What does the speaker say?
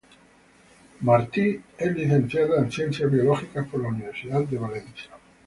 Martí es licenciada en Ciencias Biológicas por la Universidad de Valencia.